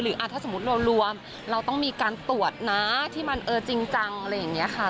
ถ้าสมมุติเรารวมเราต้องมีการตรวจนะที่มันเออจริงจังอะไรอย่างนี้ค่ะ